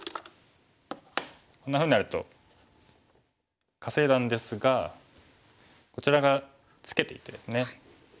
こんなふうになると稼いだんですがこちら側ツケていってですね。